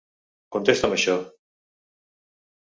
Contesta'm això.